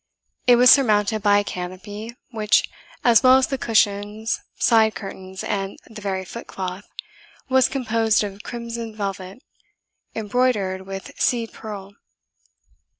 It was surmounted by a canopy, which, as well as the cushions, side curtains, and the very footcloth, was composed of crimson velvet, embroidered with seed pearl.